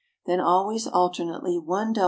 then always alternately 1 dc.